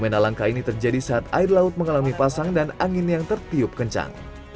penyakit tersebut terjadi saat air laut mengalami pasang dan angin yang tertiup kencang